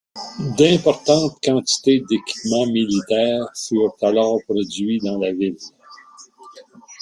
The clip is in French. D'importantes quantités d'équipements militaires furent alors produits dans la ville.